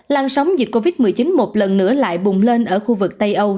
lan sóng dịch covid một mươi chín một lần nữa lại bùng lên ở khu vực tây âu